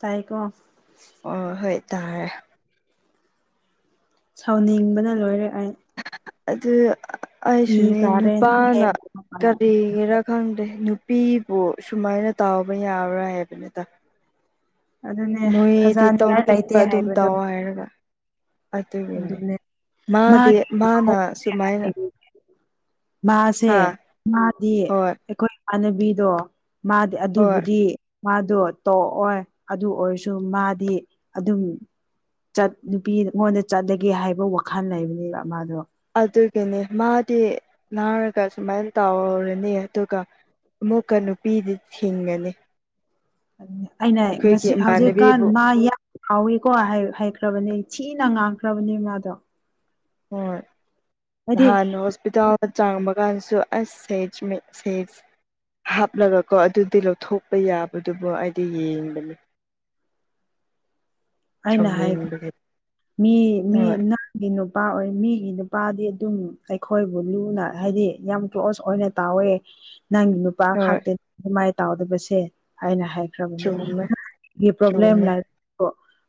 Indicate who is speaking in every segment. Speaker 1: ꯇꯥꯏꯀꯣ
Speaker 2: ꯍ ꯍꯣꯏ ꯇꯥꯔꯦ
Speaker 1: ꯁꯥꯎꯅꯤꯡꯕꯅ ꯂꯣꯏꯔꯦ ꯑꯩ
Speaker 2: ꯑꯗꯨ
Speaker 1: ꯏ
Speaker 2: ꯑꯩꯁꯨꯅꯦ
Speaker 1: ꯀꯥꯔꯦ ꯅꯪ
Speaker 2: ꯅꯨꯄꯥꯅ
Speaker 1: ꯍꯦꯛ
Speaker 2: ꯀꯔꯤꯒꯤꯔ ꯈꯪꯗꯦ ꯅꯨꯄꯤꯕꯨ ꯁꯨꯃꯥꯏꯅ ꯇꯥꯎꯕ ꯌꯥꯕ꯭ꯔꯥ ꯍꯥꯏꯕꯅꯤꯗ
Speaker 1: ꯑꯗꯨꯅꯦ
Speaker 2: ꯃꯣꯏꯗꯤ
Speaker 1: ꯊꯥꯖꯅꯤꯡꯉꯥꯏ ꯂꯩꯇꯦ
Speaker 2: ꯇꯧꯅꯤꯡꯕ ꯑꯗꯨꯝ
Speaker 1: ꯍꯥꯏꯕꯗꯣ
Speaker 2: ꯇꯧꯑꯣ ꯍꯥꯏꯔꯒ ꯑꯗꯨꯒꯤꯅꯦ
Speaker 1: ꯑꯗꯨꯅꯦ ꯃꯥ
Speaker 2: ꯃꯥꯗꯤ ꯃꯥꯅ ꯁꯨꯃꯥꯏꯅ
Speaker 1: [unintelligible] ꯃꯥꯁꯦ
Speaker 2: ꯍꯥ
Speaker 1: ꯃꯥꯗꯤ
Speaker 2: ꯍꯣꯏ
Speaker 1: ꯑꯩꯈꯣꯏ ꯆꯅꯕꯤꯗꯣ ꯃꯥꯗꯤ
Speaker 2: ꯍꯣꯏ
Speaker 1: ꯑꯗꯨꯕꯨꯗꯤ ꯃꯥꯗꯣ ꯇꯣꯛꯑꯣꯏ ꯑꯗꯨ ꯑꯣꯏꯔꯁꯨ ꯃꯥꯗꯤ ꯑꯗꯨꯝ ꯆꯠ ꯅꯨꯄꯤꯉꯣꯟꯗ ꯆꯠꯂꯒꯦ ꯍꯥꯏꯕ ꯋꯥꯈꯜ ꯂꯩꯕꯅꯦꯕ ꯃꯥꯗꯣ
Speaker 2: ꯑꯗꯨꯒꯤꯅꯤ ꯃꯥꯗꯤ ꯅꯥꯔꯒ ꯁꯨꯃꯥꯏꯅ ꯇꯧꯔꯅꯤ ꯑꯗꯨꯒ ꯑꯃꯨꯛꯀ ꯅꯨꯄꯤꯗꯤ ꯊꯤꯡꯒꯅꯤ
Speaker 1: ꯑꯩꯅ
Speaker 2: ꯑꯩꯈꯣꯏꯒꯤ
Speaker 1: ꯉꯁꯤ ꯍꯧꯖꯤꯛꯀꯥꯟ
Speaker 2: ꯏꯃꯥꯟꯅꯕꯤꯕꯨ
Speaker 1: ꯃꯥ ꯌꯥꯝ ꯍꯥꯎꯋꯤꯀꯣ ꯍꯥꯏꯈ꯭ꯔꯕꯅꯤ ꯊꯤꯅ ꯉꯥꯡꯈ꯭ꯔꯕꯅꯦ ꯃꯥꯗꯣ
Speaker 2: ꯍꯣꯏ
Speaker 1: ꯍꯥꯏꯗꯤ
Speaker 2: ꯅꯍꯥꯟ ꯍꯣꯁꯄꯤꯇꯥꯜ ꯆꯥꯡꯕ ꯀꯥꯟꯁꯨ ꯑꯁ ꯁꯦꯖ ꯁꯦꯖ ꯍꯥꯞꯂꯒꯀꯣ ꯑꯗꯨꯗꯤ ꯂꯧꯊꯣꯛꯄ ꯌꯥꯕꯗꯨꯕꯨ ꯑꯩꯗꯤ ꯌꯦꯡꯕꯅꯤ
Speaker 1: ꯑꯩꯅ ꯍꯥꯏꯈ
Speaker 2: ꯁꯥꯎꯅꯤꯡꯕꯒꯤ
Speaker 1: ꯃꯤ ꯃꯤ
Speaker 2: ꯍꯣꯏ
Speaker 1: ꯅꯪ ꯅꯨꯄꯥ ꯑꯣꯏ ꯃꯤꯒꯤ ꯅꯨꯄꯥꯗꯤ ꯑꯗꯨꯝ ꯑꯩꯈꯣꯏꯕꯨ ꯂꯨꯅ ꯍꯥꯏꯗꯤ ꯌꯥꯝ ꯀ꯭ꯂꯣꯁ ꯑꯣꯏꯅ ꯇꯧꯋꯦ ꯅꯪꯒꯤ ꯅꯨꯄꯥ
Speaker 2: ꯍꯣꯏ
Speaker 1: ꯈꯥꯛꯇꯅꯤ ꯑꯗꯨꯃꯥꯏ ꯇꯥꯎꯗꯕꯁꯦ ꯍꯥꯏꯅ ꯍꯥꯏ ꯈꯔ꯭ꯕꯅꯦ
Speaker 2: ꯆꯨꯝꯃꯦ
Speaker 1: [unintelligible] ꯄꯔꯣꯕꯂꯦꯝ
Speaker 2: ꯆꯨꯝꯃꯦ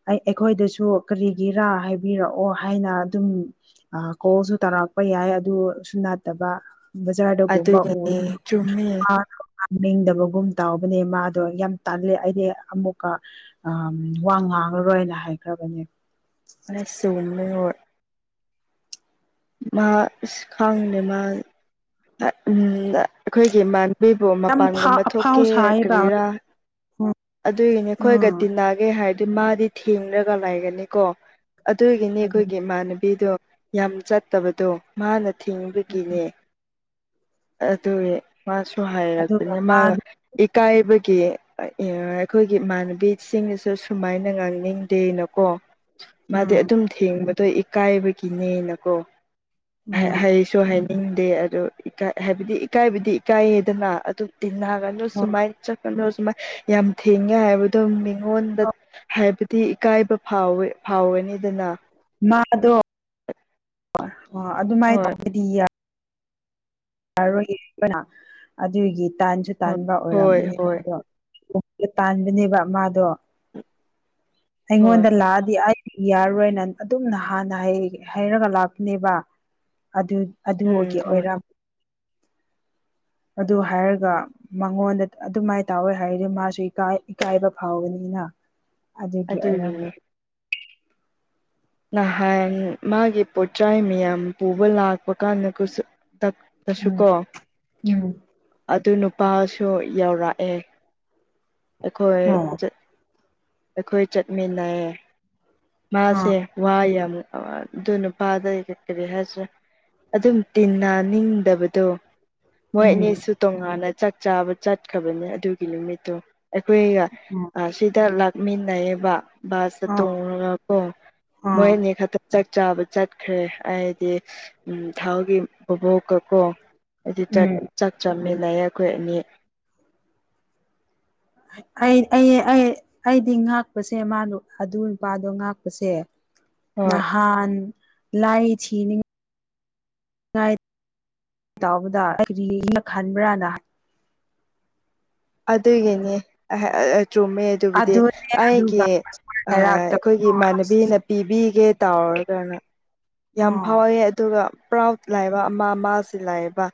Speaker 1: ꯑꯩ ꯑꯩꯈꯣꯏꯗꯁꯨ ꯀꯔꯤꯒꯤꯔꯥ ꯍꯥꯏꯕꯤꯔꯛꯑꯣ ꯍꯥꯏꯅ ꯑꯗꯨꯝ ꯀꯣꯜꯁꯨ ꯇꯥꯔꯛꯄ ꯄ ꯌꯥꯏ ꯑꯗꯨꯁꯨ ꯅꯥꯠꯇꯕ ꯕꯖꯥꯔꯗꯒꯨꯝꯕ ꯎꯔ
Speaker 2: ꯑꯗꯨꯒꯤꯅꯦ ꯆꯨꯝꯃꯦ
Speaker 1: ꯅꯤꯡꯗꯕꯒꯨꯝ ꯇꯥꯎꯕꯅꯦ ꯃꯥꯗꯣ ꯌꯥꯝ ꯇꯥꯜꯂꯤ ꯑꯩꯗꯤ ꯑꯃꯨꯛꯀ ꯋꯥ ꯉꯥꯡ ꯃꯔꯣꯏꯅ ꯍꯥꯏꯈ꯭ꯔꯕꯅꯦ
Speaker 2: [unintelligible] ꯃꯥ ꯑꯁ ꯈꯪꯗꯦ ꯃꯥ ꯑꯩꯈꯣꯏꯒꯤ ꯏꯃꯥꯟ ꯑꯗꯨꯕꯨ
Speaker 1: ꯌꯥꯝ ꯐꯥ
Speaker 2: ꯃꯄꯥꯟꯒꯨꯝꯕ
Speaker 1: ꯑꯐꯥꯎ
Speaker 2: ꯊꯣꯛꯀꯦ
Speaker 1: ꯁꯥꯏꯌꯦꯕ
Speaker 2: ꯀꯔꯤꯔꯥ
Speaker 1: ꯎꯝ
Speaker 2: ꯑꯗꯨꯒꯤꯅꯦ ꯑꯩꯈꯣꯏꯒ
Speaker 1: ꯎꯝ
Speaker 2: ꯇꯤꯟꯅꯒꯦ ꯍꯥꯏꯔꯗꯤ ꯃꯥꯗꯤ ꯊꯦꯡꯂꯒ ꯂꯩꯒꯅꯤꯀꯣ ꯑꯗꯨꯒꯤꯅꯤ
Speaker 1: ꯑꯗꯨ
Speaker 2: ꯑꯩꯈꯣꯏꯒꯤ ꯏꯃꯥꯟꯅꯕꯤꯗꯣ ꯌꯥꯝ ꯆꯠꯇꯕꯗꯣ ꯃꯥꯅ ꯊꯤꯡꯕꯒꯤꯅꯦ ꯑꯗꯨ ꯃꯥꯁꯨ ꯁꯨ
Speaker 1: ꯑꯗꯨꯒ
Speaker 2: ꯍꯥꯏꯔꯛꯄꯅꯤ ꯃꯥꯒ
Speaker 1: ꯃꯥꯗꯤ
Speaker 2: ꯏꯀꯥꯏꯕꯒꯤ ꯑꯩꯈꯣꯏꯒꯤ ꯏꯃꯥꯟꯅꯕꯤꯁꯤꯡꯅꯁꯨ ꯁꯨꯃꯥꯏꯅ ꯉꯥꯡꯅꯤꯡꯗꯦꯅꯀꯣ ꯃꯥꯗꯤ
Speaker 1: ꯎꯝ
Speaker 2: ꯑꯗꯨꯝ ꯊꯦꯡꯕꯗꯣ ꯏꯀꯥꯏꯕꯒꯤꯅꯦꯅꯀꯣ
Speaker 1: ꯎꯝ
Speaker 2: ꯍꯥꯏꯁꯨ ꯍꯥꯏꯅꯤꯡꯗꯦ ꯑꯗꯨ ꯏꯀꯥꯏ ꯍꯥꯏꯕꯗꯤ ꯏꯀꯥꯏꯕꯗꯤ ꯏꯀꯥꯏꯌꯦꯗꯅ ꯑꯗꯨꯝ ꯇꯤꯟꯅꯒꯅꯣ
Speaker 1: ꯍꯣꯏ
Speaker 2: ꯁꯨꯃꯥꯏꯅ ꯆꯠꯀꯅꯨ ꯁꯨꯃꯥꯏꯅ ꯌꯥꯝ ꯊꯤꯡꯉꯦ ꯍꯥꯏꯕꯗꯣ ꯃꯤꯡ ꯉꯣꯟꯗ ꯍꯥꯏꯕꯗꯤ ꯏꯀꯥꯏꯕ ꯐꯥꯎꯋꯦ ꯐꯥꯎꯋꯅꯤꯗꯅ
Speaker 1: ꯃꯥꯗꯣ ꯑꯗꯨꯃꯥꯏꯅ
Speaker 2: ꯍꯣꯏ
Speaker 1: ꯇꯧꯒꯗꯤ ꯌꯥ ꯌꯥꯔꯣꯏꯅ ꯑꯗꯨꯒꯤ ꯇꯥꯟꯁꯨ
Speaker 2: ꯍꯣꯏ
Speaker 1: ꯇꯥꯟꯕ
Speaker 2: ꯍꯣꯏ
Speaker 1: ꯑꯣꯏꯔꯝꯒ ꯅꯤ
Speaker 2: ꯍꯣꯏ
Speaker 1: ꯃꯥꯗꯣ ꯇꯥꯟꯕꯅꯦꯕ ꯃꯥꯗꯣ
Speaker 2: ꯍꯣꯏ
Speaker 1: ꯑꯩꯉꯣꯟꯗ ꯂꯥꯛꯑꯗꯤ ꯑꯩ ꯌꯥꯔꯣꯏꯅ ꯑꯗꯨꯝꯅ ꯍꯥꯟꯅ ꯍꯩꯔꯒ ꯂꯥꯛꯄꯅꯦꯕ ꯑꯗꯨ ꯑꯗꯨꯒꯤ
Speaker 2: ꯎꯝ ꯍꯣꯏ
Speaker 1: ꯑꯣꯏꯔꯝ ꯑꯗꯨ ꯍꯥꯏꯔꯒ ꯃꯉꯣꯟꯗ ꯑꯗꯨꯃꯥꯏꯅ ꯇꯧꯋꯦ ꯍꯥꯏꯔꯗꯤ ꯃꯥꯁꯨ ꯏꯀꯥꯏꯕ ꯐꯥꯎꯕꯅꯤꯅ ꯑꯗꯨꯒꯤ ꯑꯣꯏꯔꯝ
Speaker 2: ꯑꯗꯨꯒꯤꯅꯦ ꯅꯍꯥꯟ ꯃꯥꯒꯤ ꯄꯣꯠꯆꯥꯏ ꯃꯤꯌꯥꯝ ꯄꯨꯕ ꯂꯥꯛꯄ ꯀꯥꯟꯗ ꯀꯨꯁꯨ ꯇꯄ ꯇꯁꯨ
Speaker 1: ꯎꯝ
Speaker 2: ꯀꯣ
Speaker 1: ꯎꯝ
Speaker 2: ꯑꯗꯨ ꯅꯨꯞ ꯄꯥꯁꯨ ꯌꯧꯔꯛꯑꯦ ꯑꯩꯈꯣꯏ
Speaker 1: ꯑꯣ
Speaker 2: ꯑꯩꯈꯣꯏ ꯆꯠꯃꯤꯟꯅꯩꯌꯦ
Speaker 1: ꯑꯥ
Speaker 2: ꯃꯥꯁꯦ ꯌꯥꯝ ꯑꯗꯨ ꯅꯨꯄꯥꯥ ꯗꯣ ꯀꯔꯤ ꯍꯥꯏꯁꯤꯔꯥ ꯑꯗꯨꯝ ꯇꯤꯟꯅ ꯅꯤꯡꯗꯕꯗꯣ ꯃꯣꯏ
Speaker 1: ꯎꯝ
Speaker 2: ꯑꯅꯤꯁꯨ ꯇꯣꯉꯥꯟꯅ ꯆꯥꯛ ꯆꯥꯕ ꯆꯠꯈ꯭ꯔꯕꯅꯤ ꯑꯗꯨꯒꯤ ꯅꯨꯃꯤꯠꯇꯨ ꯑꯩꯈꯣꯏꯒ ꯁꯤꯗ ꯂꯥꯛꯃꯤꯟꯅꯩꯌꯦꯕ ꯕꯥꯁꯇ
Speaker 1: ꯑꯣ
Speaker 2: ꯇꯣꯡꯔꯒ ꯀꯣ
Speaker 1: ꯑꯣ
Speaker 2: ꯃꯣꯏꯅꯤ ꯈꯛꯇꯪ ꯆꯥꯛ ꯆꯥꯕ ꯆꯠꯈ꯭ꯔꯦ ꯑꯩꯗꯤ ꯊꯥꯎꯒꯤ ꯈꯨꯕꯣꯛꯀꯀꯣ ꯍꯥꯏꯗꯤ ꯆꯥꯛ ꯆꯃꯤ ꯂꯥꯏꯔꯤꯛ ꯈꯣꯏ ꯑꯅꯤ
Speaker 1: ꯑꯩ ꯑꯩ ꯑꯩ ꯑꯩꯗꯤ ꯉꯥꯛꯄꯁꯦ ꯃꯥ ꯑꯗꯨ ꯅꯨꯄꯥꯗꯣ ꯉꯥꯛꯄꯁꯦ
Speaker 2: ꯍꯣꯏ
Speaker 1: ꯅꯍꯥꯟ ꯂꯥꯏ ꯊꯤꯅꯤꯡ ꯗꯥꯏꯠ ꯇꯧꯕꯗ [unintelligible] ꯈꯟꯕ꯭ꯔꯥꯅ
Speaker 2: ꯑꯗꯨꯒꯤꯅꯦ ꯆꯨꯝꯃꯦ ꯑꯗꯨꯕꯨꯗꯤ
Speaker 1: ꯑꯗꯨꯅꯦ
Speaker 2: ꯑꯩꯒꯤ
Speaker 1: ꯑꯗꯨꯒ ꯍꯥꯏꯔꯛꯇꯕ
Speaker 2: ꯑꯩꯈꯣꯏꯒꯤ ꯏꯃꯥꯟꯅꯕꯤꯅ ꯄꯤꯕꯤꯒꯦ ꯇꯥꯎꯔꯒꯅ ꯌꯥꯝ
Speaker 1: ꯑꯣ
Speaker 2: ꯐꯥꯎꯋꯦ ꯑꯗꯨꯒ ꯄ꯭ꯔꯥꯎꯠ ꯂꯩꯕ ꯑꯃꯥ ꯃꯥꯁꯤ ꯂꯩꯕ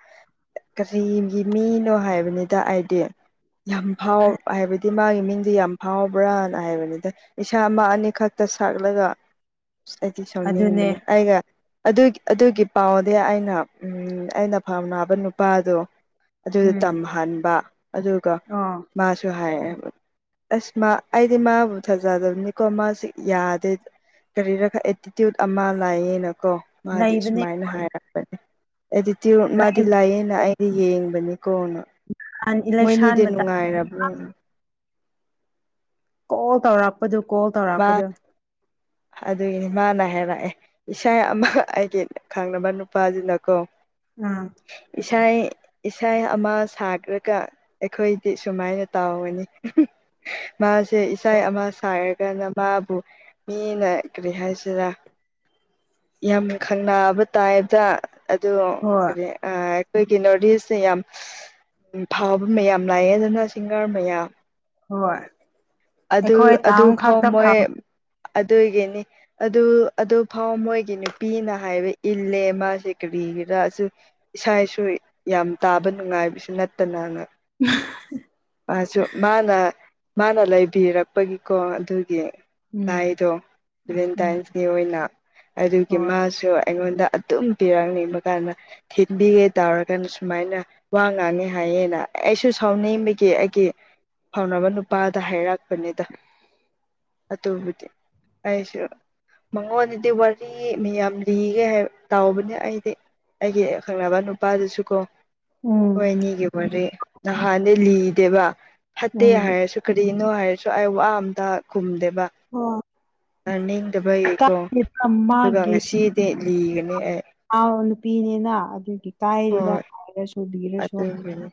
Speaker 2: ꯀꯔꯤꯒꯤ ꯃꯤꯅꯣ ꯍꯥꯏꯕꯅꯤꯗ ꯑꯩꯗꯤ ꯌꯥꯝ ꯐꯥꯎ ꯍꯥꯏꯕꯗꯤ ꯃꯥꯒꯤ ꯃꯤꯡꯗꯤ ꯌꯥꯝ ꯐꯥꯎꯕ꯭ꯔꯥꯅ ꯍꯥꯏꯕꯅꯤꯗ ꯏꯁꯥ ꯑꯃ ꯑꯅꯤ ꯈꯛꯇ ꯁꯛꯂꯒ ꯑꯁ ꯑꯩꯗꯤ ꯁꯥꯎ
Speaker 1: ꯑꯗꯨꯅꯦ
Speaker 2: ꯅꯤꯡꯕꯅꯦ ꯑꯩꯒ ꯑꯗꯨ ꯑꯗꯨꯒꯤ ꯄꯥꯎꯗꯤ ꯑꯩꯅ ꯎꯝ ꯑꯩꯅ ꯐꯥꯝꯅꯕ ꯅꯨꯄꯥꯗꯣ ꯑꯗꯨꯗ
Speaker 1: ꯎꯝ
Speaker 2: ꯇꯝꯍꯟꯕ ꯑꯗꯨꯒ
Speaker 1: ꯑꯣ
Speaker 2: ꯃꯥꯁꯨ ꯍꯥꯏꯌꯦ ꯑꯁ ꯃꯥ ꯑꯩꯗꯤ ꯃꯥꯕꯨ ꯊꯥꯖꯗꯕꯅꯤꯀꯣ ꯃꯥꯁꯨ ꯌꯥꯗꯦ ꯀꯔꯤꯔ ꯑꯦꯇꯤꯇ꯭ꯌꯨꯠ ꯑꯃ ꯂꯥꯛꯌꯦꯅꯀꯣ ꯃꯥꯗꯤ
Speaker 1: ꯂꯩꯕꯅꯦ
Speaker 2: ꯁꯨꯃꯥꯏꯅ ꯍꯥꯏꯔꯛꯄꯅꯦ ꯑꯦꯇꯤꯇ꯭ꯌꯨꯠ ꯃꯥꯗꯤ ꯂꯥꯛꯑꯅ
Speaker 1: ꯅꯍꯥꯟ
Speaker 2: ꯑꯩꯗꯤ ꯌꯦꯡꯕꯅꯤꯀꯣꯅ
Speaker 1: ꯏꯂꯦꯛꯁꯟ
Speaker 2: ꯅꯤꯗ
Speaker 1: ꯃꯇꯝ
Speaker 2: ꯅꯨꯡꯉꯥꯏꯔꯥꯔꯕ꯭ꯔꯣ
Speaker 1: ꯑꯣ ꯇꯧꯔꯄꯁꯨ
Speaker 2: ꯃꯥ ꯑꯗꯨꯒꯤꯅꯦ ꯃꯥꯅꯥ ꯍꯥꯏꯔꯛꯑꯦ ꯏꯁꯥ ꯑꯃ ꯑꯩꯒꯤ ꯈꯪꯅꯕ ꯅꯨꯄꯥꯁꯤꯅꯀꯣ
Speaker 1: ꯑꯥ
Speaker 2: ꯏꯁ ꯏꯁꯥ ꯑꯃ ꯁꯥꯈ꯭ꯔꯒ ꯑꯩꯈꯣꯏꯗꯤ ꯁꯨꯃꯥꯏꯅ ꯇꯥꯎꯒꯅꯤ
Speaker 1: [unintelligible]
Speaker 2: ꯃꯥꯁꯦ ꯏꯁꯥꯏ ꯑꯃ ꯁꯥꯏꯔꯒ ꯅ ꯃꯥꯕꯨ ꯃꯤꯅ ꯀꯔꯤ ꯍꯥꯏꯁꯤꯔꯥ ꯌꯥꯝ ꯈꯪꯕ ꯇꯥꯏꯕꯗ ꯑ
Speaker 1: ꯍꯣꯏ
Speaker 2: ꯀꯔꯤ ꯑꯩꯈꯣꯏꯒꯤ ꯅꯣꯔꯠ ꯏꯁꯇ ꯌꯥꯝ ꯐꯕ ꯃꯌꯥꯝ ꯂꯥꯛꯑꯦ ꯑꯗꯨꯅ ꯁꯤꯡꯒꯔ ꯃꯌꯥꯝ
Speaker 1: ꯍꯣꯏ ꯑꯩꯈꯣꯏ ꯇꯥꯥꯎ ꯈꯥꯛ
Speaker 2: ꯑꯃꯣꯏ ꯑꯗꯨꯒꯤꯅꯤ ꯑꯗꯨ ꯑꯗꯨ ꯐꯥꯎ ꯃꯣꯏꯒꯤ ꯅꯨꯄꯤꯅ ꯍꯥꯏꯕ ꯏꯜꯂꯦ ꯃꯥꯁꯦ ꯕꯤꯒꯦꯔꯥ ꯑꯗꯨ ꯏꯁꯥꯁꯨ ꯌꯥꯝ ꯇꯥꯕ ꯅꯨꯡꯉꯥꯏꯕꯁꯨ ꯅꯠꯇꯅ ꯃꯥꯁꯨ ꯃꯥꯅ ꯃꯥꯅ ꯂꯩꯕꯤꯔꯛꯄꯒꯤꯀꯣ ꯑꯗꯨꯒꯤ
Speaker 1: ꯎꯝ
Speaker 2: ꯥꯏꯗꯣ
Speaker 1: ꯎꯝ
Speaker 2: ꯚꯦꯂꯦꯟꯇꯥꯏꯟꯁꯀꯤ ꯑꯣꯏꯅ ꯑꯗꯨꯒꯤ
Speaker 1: ꯍꯣꯏ
Speaker 2: ꯃꯥꯁꯨ ꯑꯩꯉꯣꯟꯗ ꯑꯗꯨꯝ ꯄꯤꯔꯛꯅꯤꯕ ꯀꯥꯟꯗ ꯊꯤꯟꯕꯤꯒꯦ ꯇꯧꯔꯒꯅ ꯁꯨꯃꯥꯏꯅ ꯋꯥ ꯉꯥꯡꯉꯤ ꯍꯥꯏꯌꯦꯅ ꯑꯩꯁꯨ ꯁꯥꯎꯅꯤꯡꯕꯒꯤ ꯑꯩꯒꯤ ꯁꯥꯎꯅꯕ ꯅꯨꯄꯥꯗ ꯍꯥꯏꯔꯛꯄꯅꯤꯗ ꯑ ꯇꯣꯕꯨꯗꯤ ꯑꯁꯨ ꯃꯉꯣꯟꯗꯗꯤ ꯋꯥꯔꯤ ꯃꯤ ꯌꯥꯝ ꯂꯤꯒꯦ ꯍꯥꯏꯕ ꯇꯥꯎꯕꯅꯦ ꯑꯩꯗꯤ ꯑꯩꯒꯤ ꯑ ꯈꯪꯅꯕ ꯅꯨꯄꯥꯗꯨꯁꯨ ꯀꯣ
Speaker 1: ꯎꯝ
Speaker 2: ꯍꯣꯏꯅꯤꯒ ꯃꯥꯦ ꯅꯥꯟ ꯑꯗꯩ ꯂꯤꯗꯦꯕ ꯐꯠꯇꯦ
Speaker 1: ꯎꯝ
Speaker 2: ꯍꯥꯏꯔꯁꯨ ꯀꯔꯤꯅꯣ ꯍꯥꯏꯔꯁꯨ ꯑꯩ ꯋꯥ ꯑꯝꯇ ꯈꯨꯝꯗꯦꯕ
Speaker 1: ꯍꯣꯏ
Speaker 2: ꯑ ꯕꯩꯒꯤꯀꯣ
Speaker 1: ꯀꯥꯏꯗꯦꯗ
Speaker 2: ꯑꯗꯨꯒ ꯉꯁꯤꯗꯤ ꯂꯤꯒꯅꯤ ꯑꯩ
Speaker 1: ꯑ ꯅꯨꯄꯤꯅꯤꯅ ꯑꯗꯨꯒꯤ ꯀꯥꯏꯔꯤꯦꯗ
Speaker 2: ꯍꯣꯏ
Speaker 1: ꯍꯥꯏꯔꯁꯨꯕꯤꯔꯁꯨ
Speaker 2: ꯑꯗꯨꯒꯤꯅꯤ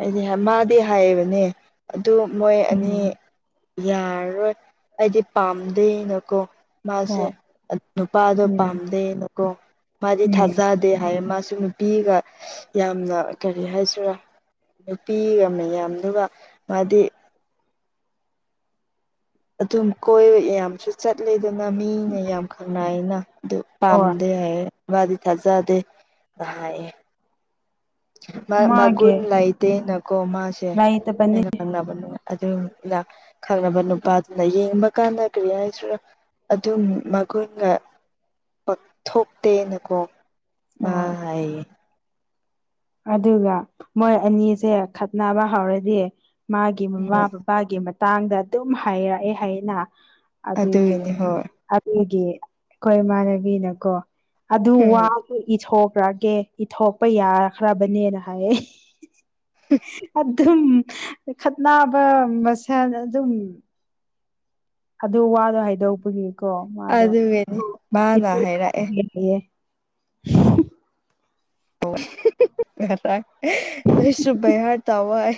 Speaker 2: ꯑꯩꯗꯤ ꯃꯥꯗꯤ ꯍꯥꯏꯕꯅꯦ ꯑꯗꯨ ꯃꯣꯏ ꯑꯅꯤ
Speaker 1: ꯎꯝ
Speaker 2: ꯌꯥꯔꯔꯣꯏ ꯑꯩꯗꯤ ꯄꯥꯝꯗꯦꯅꯀꯣ ꯃꯥꯁꯦ
Speaker 1: ꯍꯣꯏ
Speaker 2: ꯅꯨꯄꯥꯗꯣ
Speaker 1: ꯎꯝ
Speaker 2: ꯄꯥꯝꯗꯦꯅꯀꯣ ꯃꯥꯗꯤ
Speaker 1: ꯎꯝ
Speaker 2: ꯊꯥꯖꯗꯦ ꯍꯥꯏ ꯃꯥꯁꯨ ꯑꯗꯨ ꯅꯨꯄꯤꯒ ꯌꯥꯝꯅ ꯀꯔꯤ ꯍꯥꯏꯁꯤꯔꯥ ꯅꯨꯄꯤꯒ ꯃꯌꯥꯝꯗꯨꯒ ꯃꯥꯗꯤ ꯑꯗꯨꯝ ꯀꯣꯏ ꯌꯥꯝꯁꯨ ꯆꯠꯂꯦ ꯑꯗꯨꯅ ꯃꯤꯅ ꯌꯥꯝ ꯈꯪꯅꯏꯅ ꯑꯗꯨ
Speaker 1: ꯍꯣꯏ
Speaker 2: ꯄꯥꯝꯗꯦ ꯍꯥꯏꯌꯦ ꯃꯥꯗꯤ ꯊꯥꯖꯗꯦ ꯑꯌꯦ
Speaker 1: ꯃꯥꯒꯤ
Speaker 2: ꯃꯒꯨꯟ ꯂꯩꯇꯦꯅꯀꯣ ꯃꯥꯁꯦ
Speaker 1: ꯂꯩꯇꯕꯅꯤ
Speaker 2: ꯑꯩꯅ ꯉꯪꯅꯕ ꯅꯨꯡꯉꯥꯏ ꯑꯗꯨꯅ ꯈꯪꯅꯕ ꯅꯨꯄꯥꯗꯨꯅ ꯌꯦꯡꯕ ꯀꯥꯟꯗ ꯀꯔꯤ ꯍꯥꯏꯁꯤ ꯑꯗꯨꯝ ꯃꯒꯨꯟꯒ ꯀꯊꯣꯛꯇꯦꯅꯀꯣ [inaudible]
Speaker 1: ꯍꯣꯏ ꯑꯗꯨꯒ ꯃꯣꯏ ꯑꯅꯤꯁꯦ ꯈꯠꯅꯕ ꯍꯧꯔꯗꯤ ꯃꯥꯒꯤ ꯃꯃꯥ ꯄꯥꯒꯤ ꯃꯇꯥꯡꯗ ꯑꯗꯨꯝ ꯍꯥꯏꯔꯛꯑꯦ ꯍꯥꯏꯅ ꯑꯗꯨꯗꯒꯤ
Speaker 2: ꯑꯗꯨꯒꯤꯅꯤ ꯍꯣꯏ
Speaker 1: ꯑꯩꯈꯣꯏ ꯏꯃꯥꯟꯅꯕꯤꯅꯀꯣ ꯑꯗꯨ
Speaker 2: ꯎꯝ
Speaker 1: ꯋꯥꯊ ꯒꯦ ꯏꯊꯣꯛꯄ ꯌꯥꯈ꯭ꯔꯕꯅꯦꯅ ꯍꯥꯏ ꯑꯗꯨꯝ ꯈꯠꯕ ꯃꯁꯦ ꯑꯗꯨꯝ ꯑꯗꯨ ꯋꯥꯗꯣ ꯍꯥꯏꯗꯄꯒꯤꯀꯣ
Speaker 2: ꯑꯗꯨꯒꯤꯅꯤ ꯃꯥꯅ ꯍꯥꯏꯔꯛꯑꯦ
Speaker 1: ꯃꯥꯗꯣꯌꯦ [unintelligible]
Speaker 2: ꯅꯣꯏꯁꯨ ꯕꯩꯍꯥꯔ ꯇꯥꯋꯥꯏ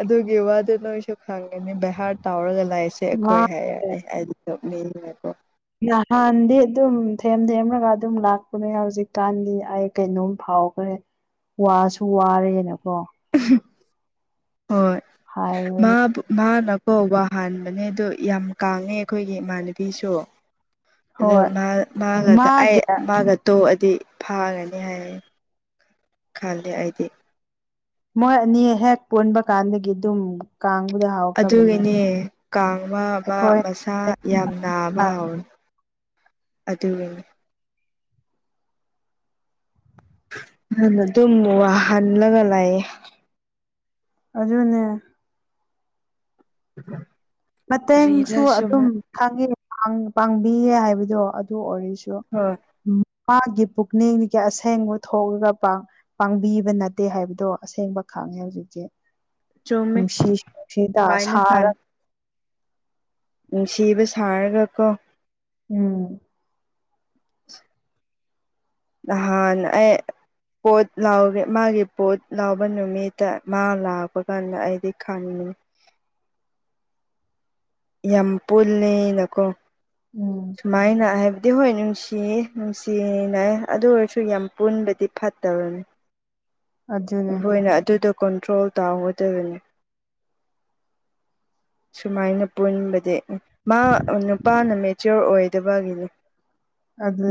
Speaker 2: ꯑꯗꯨꯒꯤ ꯋꯥꯗ ꯅꯣꯏꯁꯨ ꯈꯪꯒꯅꯤ ꯚꯍꯥꯔ ꯇꯥꯎꯔꯒ ꯂꯥꯛꯏꯁꯦ
Speaker 1: ꯃꯥ
Speaker 2: ꯑꯩꯈꯣꯏ ꯍꯥꯏ ꯍꯥꯏꯗꯤꯀꯣ
Speaker 1: ꯅꯍꯥꯟꯗꯤ ꯑꯗꯨꯝ ꯊꯦꯝ ꯊꯦꯝꯂꯒ ꯑꯗꯨꯝ ꯂꯥꯛꯄꯅꯦ ꯍꯧꯖꯤꯛꯀꯥꯟꯗꯤ ꯑꯩ ꯀꯩꯅꯣꯝ ꯐꯥꯎ ꯀꯥꯎꯈ꯭ꯔꯦ ꯋꯥꯁꯨ ꯋꯥꯔꯦꯅꯀꯣ
Speaker 2: ꯍꯣꯏ ꯃꯥ
Speaker 1: ꯍꯥꯏꯕꯅꯦ
Speaker 2: ꯃꯥ ꯀꯧꯕ ꯍꯥꯟꯕꯅꯦ ꯑꯗꯨ ꯌꯥꯝ ꯀꯉꯦ ꯑꯩꯈꯣꯏꯒꯤ ꯏꯃꯥꯟꯅꯕꯤꯁꯨ ꯑꯗꯨ
Speaker 1: ꯍꯣꯏ
Speaker 2: ꯃꯥ ꯃꯥꯒ ꯑꯩ
Speaker 1: ꯃꯥꯒꯤ
Speaker 2: ꯃꯥꯒ ꯇꯣ ꯗꯤ ꯐꯥꯒꯅꯤ ꯍꯥꯏ ꯈꯜꯂꯤ ꯑꯩꯗꯤ
Speaker 1: ꯃꯣꯏ ꯑꯅꯤ ꯍꯦꯛ ꯄꯨꯟꯕ ꯀꯥꯟꯗꯒꯤ ꯑꯗꯨꯝ ꯀꯥꯡꯕꯨꯗ ꯍꯧꯈ꯭ꯔꯕꯅꯦ
Speaker 2: ꯑꯗꯨꯒꯤꯅꯦ ꯀꯥꯡꯕ ꯃ
Speaker 1: ꯑꯩꯈꯣꯏ
Speaker 2: ꯃꯁꯥ ꯌꯥꯝ ꯅꯥꯕ ꯍꯥꯎꯋꯤ ꯑꯗꯨꯒ ꯍꯅ ꯑꯗꯨꯝ ꯋꯥꯍꯜꯂꯒ ꯂꯥꯛꯑꯌꯦ
Speaker 1: ꯍꯧꯖꯤꯅꯦ
Speaker 2: ꯎꯝ
Speaker 1: ꯃꯇꯦꯡꯁꯨ ꯑꯗꯨꯝ ꯈꯪꯉꯦ ꯄꯥꯡꯕꯤꯌꯦ ꯍꯥꯏꯕꯗꯣ ꯑꯗꯨ ꯑꯣꯏꯔꯤꯁ
Speaker 2: ꯍꯣꯏ
Speaker 1: ꯎꯝ ꯃꯥꯒꯤ ꯄꯨꯛꯅꯤꯡꯒꯤ ꯑꯁꯦꯡꯕ ꯊꯣꯛꯂꯒ ꯄꯥꯡꯕꯤꯕ ꯅꯠꯇꯦ ꯍꯥꯏꯕꯗꯣ ꯑꯁꯦꯡꯕ ꯈꯪ ꯍꯧꯖꯤꯛꯇꯤ
Speaker 2: ꯆꯨꯝꯃꯦ
Speaker 1: ꯅꯨꯡꯁꯤ ꯅꯨꯡꯁꯤꯗ
Speaker 2: ꯑꯗꯨꯃꯥꯏꯅ ꯈꯜ
Speaker 1: ꯁꯥꯔꯒ
Speaker 2: ꯅꯨꯡꯁꯤꯕ ꯁꯥꯔꯒ ꯀꯣ
Speaker 1: ꯎꯝ
Speaker 2: ꯍꯥꯟ ꯑꯦ ꯄꯣꯠ ꯂꯥꯎꯦ ꯃꯥꯒꯤ ꯄꯣꯠ ꯂꯥꯎꯕ ꯅꯨꯃꯤꯠꯇ ꯃꯥ ꯂꯥꯛꯄ ꯀꯥꯟꯗ ꯑꯩꯗꯤ ꯈꯥꯅꯤꯡꯉꯦ ꯎ
Speaker 1: [unintelligible]
Speaker 2: ꯌꯥꯝ ꯄꯨꯜꯂꯦꯅꯀꯣ
Speaker 1: ꯎꯝ
Speaker 2: ꯁꯨꯃꯥꯏꯅ ꯍꯥꯏꯕ ꯗꯤ ꯍꯣꯏ ꯅꯨꯡꯁꯤꯌꯦ ꯅꯨꯡꯁꯤꯅꯩ ꯑꯗꯨ ꯑꯣꯏꯔꯁꯨ ꯌꯥꯝ ꯄꯨꯟꯕꯗꯤ ꯐꯠꯇꯕꯅꯤ
Speaker 1: ꯑꯗꯨꯅꯦ
Speaker 2: ꯑꯩꯈꯣꯏꯅ ꯑꯗꯨꯗꯣ ꯀꯟꯇ꯭ꯔꯣꯜ ꯇꯥꯎꯒꯗꯕꯅꯤ
Speaker 1: [unintelligible]
Speaker 2: ꯁꯨꯃꯥꯏꯅ ꯄꯨꯟꯕꯗꯤ ꯃꯥ ꯅꯨꯄꯥꯅ ꯃꯦꯆꯤꯌꯣꯔ ꯑꯣꯏꯗꯕꯒꯤꯅꯦ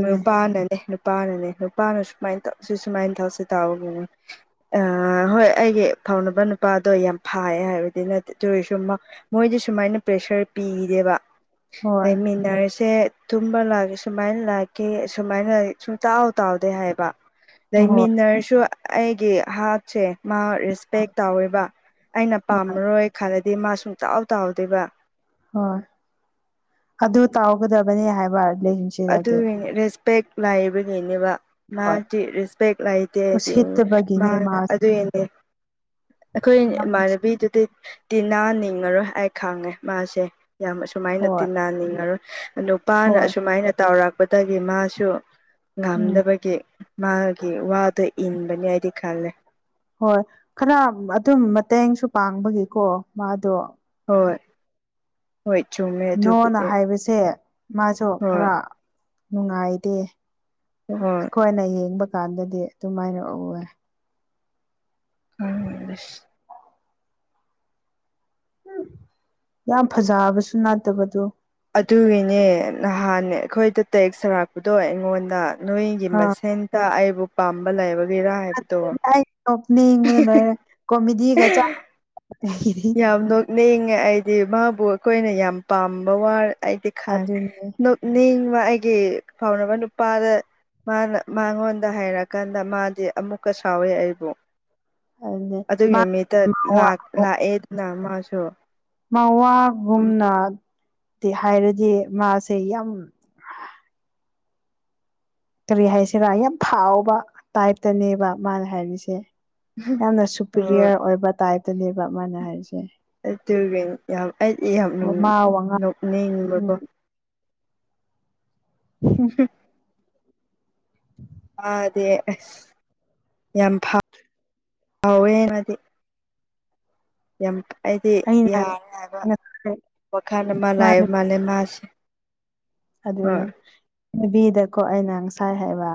Speaker 2: ꯃ ꯄꯥꯅꯅꯦ ꯅꯨ ꯅꯨꯄꯥꯅꯅꯦ ꯅꯨꯄꯥꯅ ꯁꯨꯃꯥꯏꯅ ꯇꯧ ꯁꯤ ꯁꯨꯃꯥꯏꯅ ꯇꯧꯁꯤ ꯇꯥꯎꯒꯤꯅꯦ ꯑ ꯍꯣꯏ ꯑꯩꯒꯤ ꯐꯥꯎꯅꯕ ꯅꯨꯄꯥꯗꯣ ꯌꯥꯝ ꯐꯥꯏ ꯍꯥꯏꯕꯗꯤ ꯅꯠꯇ ꯁ ꯃꯣꯏꯗꯤ ꯁꯨꯃꯥꯏꯅ ꯄ꯭ꯔꯦ ꯁꯔ ꯄꯤꯈꯤꯗꯦꯕ
Speaker 1: ꯍꯣꯏ
Speaker 2: ꯂꯩ ꯂꯩꯃꯤꯟꯅꯔꯁꯦ ꯇꯨꯝꯕ ꯂꯥꯛꯀꯦ ꯁꯨꯃꯥꯏꯅ ꯂꯥꯛꯀꯦ ꯁꯃꯥꯏꯅ ꯁꯨꯝꯇꯥꯎ ꯇꯥꯎꯗꯦ ꯍꯥꯏꯕ
Speaker 1: ꯍꯣꯏ
Speaker 2: ꯂꯩꯃꯤꯟꯅꯔꯁꯨ ꯑꯩꯒꯤ ꯍꯥꯞꯁꯦ ꯃꯥ ꯔꯦꯁꯄꯦꯛ ꯇꯧꯋꯦꯕ ꯑꯩꯅ
Speaker 1: ꯍꯣꯏ
Speaker 2: ꯄꯥꯝꯃꯔꯣꯏ ꯈꯜꯂꯗꯤ ꯗꯤ ꯃꯥ ꯁꯨꯡꯇꯥꯎ ꯇꯥꯎꯍꯥꯎꯗꯣꯏꯕ
Speaker 1: ꯍꯣꯏ ꯑꯗꯨ ꯇꯥꯎꯒꯗꯕꯅꯤ ꯍꯥꯏꯕꯗꯤ
Speaker 2: ꯑꯗꯨꯒꯤꯅꯦ ꯔꯦꯁꯄꯦꯛ ꯂꯥꯏꯕꯒꯤꯅꯦꯕ
Speaker 1: ꯍꯣꯏ
Speaker 2: ꯃꯥꯗꯤ ꯔꯦꯁꯄꯦꯛ ꯂꯩꯇꯦ ꯍꯥꯏꯗꯤ ꯃꯥ
Speaker 1: ꯎꯁꯤꯠꯇꯕꯒꯤꯅꯦ ꯃꯥꯁꯦ
Speaker 2: ꯑꯗꯨꯅꯦ ꯑꯩꯈꯣꯏ
Speaker 1: ꯌꯥꯝ ꯎꯁꯤꯠ
Speaker 2: ꯃꯥꯅꯕꯤꯗꯤ ꯇꯤꯅꯥ ꯅꯤꯡꯉꯔꯣꯏ ꯍꯥꯏ ꯈꯪꯉꯦ ꯃꯥꯁꯦ ꯌꯥꯝ ꯑꯁꯨꯃꯥꯏꯅ
Speaker 1: ꯍꯣꯏ
Speaker 2: ꯇꯤꯟꯅ ꯅꯤꯡꯉꯔꯣꯏ ꯅꯨꯄꯥꯅ
Speaker 1: ꯍꯣꯏ
Speaker 2: ꯑꯁꯨꯃꯥꯏꯅ ꯇꯧꯔꯛꯄꯗꯒꯤ ꯃꯥꯁꯨ
Speaker 1: ꯎꯝ
Speaker 2: ꯉꯝꯗꯕꯒꯤ ꯃꯥ ꯋꯥꯗꯣ ꯏꯟꯕꯅꯤ ꯑꯩꯗꯤ ꯈꯜꯂꯦ
Speaker 1: ꯍꯣꯏ ꯈꯔ ꯑꯗꯨꯝ ꯃꯇꯦꯡꯁꯨ ꯄꯥꯡꯕꯒꯤꯀꯣ ꯃꯥꯗꯣ
Speaker 2: ꯍꯣꯏ ꯍꯣꯏ ꯆꯨꯝꯃꯦ
Speaker 1: ꯅꯣꯅ
Speaker 2: ꯑꯗꯨꯕꯨꯗꯤ
Speaker 1: ꯍꯥꯏꯕꯁꯦ ꯃꯥꯁꯨ
Speaker 2: ꯍꯣꯏ
Speaker 1: ꯈꯔ ꯅꯨꯡꯉꯥꯏꯗꯦ
Speaker 2: ꯍꯣꯏ
Speaker 1: ꯑꯩꯈꯣꯏꯅ ꯌꯦꯡꯕ ꯀꯥꯟꯗꯗꯤ ꯑꯗꯨꯃꯥꯏꯅ ꯎꯋꯦ
Speaker 2: ꯎꯁ
Speaker 1: ꯎꯝ ꯌꯥꯝ ꯐꯖꯕꯁꯨ ꯠꯇꯕꯗꯣ
Speaker 2: ꯑꯗꯨꯒꯤꯅꯦ ꯅꯍꯥꯟꯅꯦ ꯑꯩꯈꯣꯏꯗ ꯇꯦꯛ ꯁꯥꯔꯛꯄꯗꯣ ꯑꯩꯉꯣꯟꯗ ꯅꯣꯏꯒꯤ
Speaker 1: ꯑꯥ
Speaker 2: ꯃꯁꯦꯟꯇ ꯑꯩꯕꯨ ꯄꯥꯝꯕ ꯂꯩꯕ
Speaker 1: ꯅꯤꯡ ꯀꯣꯃꯦꯗꯤꯒ ꯆ ꯇꯗꯤ
Speaker 2: ꯅꯦꯡꯉ ꯑꯩꯗꯤ ꯃꯥꯕꯨ ꯑꯩꯈꯣꯏꯅ ꯌꯥꯝ ꯄꯥꯝꯕ ꯋꯥ ꯑꯩꯗꯤ
Speaker 1: ꯑꯗꯨꯅꯦ
Speaker 2: ꯈꯪꯉꯦ ꯅꯤꯡꯕ ꯑꯩꯒꯤ ꯐꯥꯎꯅꯕ ꯅꯨꯄꯥꯗ ꯃꯥꯅ ꯃꯉꯣꯟꯗ ꯍꯥꯏꯔꯛꯑꯀꯥꯟꯗ ꯃꯥꯗꯤ ꯑꯃꯨꯛꯀ ꯁꯥꯎꯋꯦ ꯑꯩꯕꯨ
Speaker 1: ꯑꯗꯨꯅꯦ
Speaker 2: ꯑꯗꯨꯒꯤ
Speaker 1: ꯃꯥ
Speaker 2: ꯅꯨꯃꯤꯠꯇ ꯂꯥꯛꯑꯦꯅ ꯃꯥꯁꯨ
Speaker 1: ꯃꯧꯋꯥ ꯨꯅ ꯍꯥꯏꯔꯗꯤ ꯃꯥꯁꯦ ꯌꯥꯝ ꯀꯔꯤ ꯍꯥꯏꯁꯤꯔꯥ ꯌꯥꯝ ꯊꯥꯎꯕ ꯇꯥꯏꯞꯇꯅꯦꯕ ꯃꯥꯅ ꯍꯥꯏꯔꯤꯁꯦ ꯌꯥꯝꯅ
Speaker 2: ꯍꯣꯏ
Speaker 1: ꯁꯨꯄꯔꯤꯌꯔ ꯑꯣꯏꯕ ꯇꯥꯏꯞꯇꯅꯦꯕ ꯑꯃꯅ ꯍꯥꯏꯔꯤꯁꯦ
Speaker 2: ꯑꯩ ꯑꯩꯗꯤ ꯌꯥꯝ
Speaker 1: ꯃꯥ ꯋꯥꯉꯥꯡ ꯎꯝ
Speaker 2: ꯅꯣꯛꯅꯤꯡꯅꯤꯡꯕꯀꯣ
Speaker 1: ꯍꯝ
Speaker 2: ꯑꯥꯗꯦ ꯑꯁ ꯌꯥꯝ ꯐ ꯍꯥꯎꯋꯦꯅꯗꯤ ꯌꯥꯝ ꯑꯩꯗꯤ
Speaker 1: ꯑꯩꯅ
Speaker 2: ꯌꯥꯔꯦ ꯍꯥꯏꯕ
Speaker 1: ꯉꯁꯥꯏ
Speaker 2: ꯋꯥꯈꯜ ꯑꯃ
Speaker 1: ꯃꯥ
Speaker 2: ꯂꯥꯛꯑꯕ ꯃꯥꯜꯂꯦ ꯃꯥꯁꯦ
Speaker 1: ꯑꯗꯨꯅꯦ
Speaker 2: ꯍꯣꯏ
Speaker 1: ꯅꯨꯕꯤꯗꯀꯣ ꯑꯩꯅ ꯉꯁꯥꯏ ꯍꯥꯏꯕ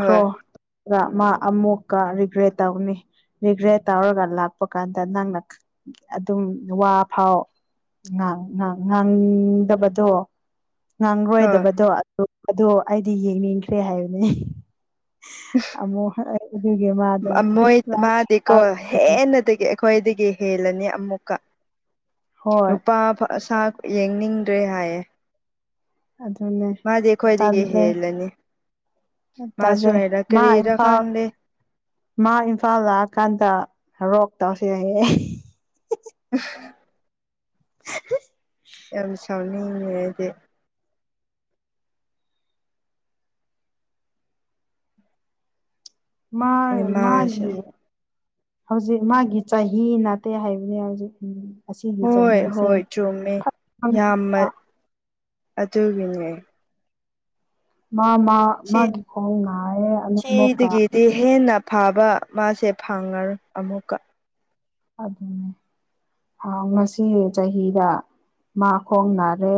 Speaker 2: ꯍꯣꯏ
Speaker 1: ꯃꯥ ꯑꯃꯨꯛꯀ ꯔꯤꯒ꯭ꯔꯦꯠ ꯇꯧꯅꯤ ꯔꯤꯒ꯭ꯔꯦꯠ ꯇꯧꯔꯒ ꯂꯥꯛꯄ ꯀꯥꯟꯗ ꯅꯪꯅ ꯑꯗꯨꯝ ꯋꯥ ꯐꯥꯎ ꯉꯥꯡꯗꯕꯗꯣ
Speaker 2: ꯍꯣꯏ
Speaker 1: ꯉꯥꯡꯔꯣꯏꯗꯕꯗꯣ ꯑꯗꯨꯗꯣ ꯑꯩꯗꯤ ꯌꯦꯡꯅꯤꯡꯈ꯭ꯔꯦ ꯍꯥꯏꯕꯅꯤ ꯑꯃꯣ
Speaker 2: ꯃꯣꯏ ꯃꯥꯗꯤꯀꯣ ꯍꯦꯟꯅꯗꯒꯤ ꯑꯩꯈꯣꯏꯗꯒꯤ ꯍꯦꯜꯂꯅꯤ ꯑꯃꯨꯛꯀ
Speaker 1: ꯍꯣꯏ
Speaker 2: ꯅꯨꯄꯥ ꯑꯁꯥ ꯌꯦꯡꯅꯤꯡꯗ꯭ꯔꯦ ꯍꯥꯏꯌꯦ
Speaker 1: ꯑꯗꯨꯗꯅꯦ
Speaker 2: ꯃꯥꯗꯤ ꯑꯩꯈꯣꯏꯗꯒꯤ ꯍꯦꯜꯂꯅꯤ
Speaker 1: ꯇꯜꯦ
Speaker 2: ꯃꯥꯁꯨ
Speaker 1: ꯗꯦ
Speaker 2: ꯍꯥꯏꯔ
Speaker 1: ꯃꯥ ꯏ
Speaker 2: ꯀꯔꯤꯔ
Speaker 1: ꯄꯥꯎ
Speaker 2: ꯈꯪꯗꯦ
Speaker 1: ꯃꯥ ꯏꯝꯐꯥꯜ ꯂꯥꯛꯑꯀꯥꯟꯗ ꯔꯣꯛ ꯇꯧꯁꯤ ꯌꯥꯏꯌꯦ [inaudible]
Speaker 2: ꯌꯥꯝ ꯁꯥꯎꯅꯤꯅꯦꯗꯤ
Speaker 1: ꯃꯥ
Speaker 2: ꯃꯥꯁꯦ
Speaker 1: ꯃꯥꯒꯤꯦ ꯍꯧꯖꯤꯛ ꯃꯥꯒꯤ ꯆꯍꯤ ꯅꯥꯠꯇꯦ ꯍꯥꯏꯕꯅꯤ ꯍꯧꯖꯤꯛ ꯑꯁꯤꯒꯤ
Speaker 2: ꯍꯣꯏ
Speaker 1: ꯆꯍꯤꯁꯦ
Speaker 2: ꯍꯣꯏ ꯆꯨꯝꯃꯦ ꯌꯥꯝꯃ ꯑꯗꯨꯒꯤꯉꯏ
Speaker 1: ꯃꯥ ꯃꯥ ꯃꯥꯒꯤ ꯈꯣꯡ ꯉꯥꯏꯑꯦ ꯑꯃꯨꯛꯀ
Speaker 2: ꯐꯥꯕ ꯃꯥꯁꯦ ꯐꯪꯉꯔ ꯑꯃꯨꯛꯀ
Speaker 1: ꯑꯗꯨ ꯑꯗꯨꯅꯦ ꯉꯁꯤ ꯆꯍꯤꯗ ꯃꯥ ꯈꯣꯡꯅꯥꯔꯦ